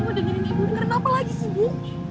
kamu dengerin ibu dengerin apa lagi sih ibu